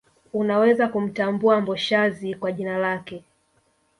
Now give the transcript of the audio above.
Unaweza kumtambua Mboshazi kwa jina lake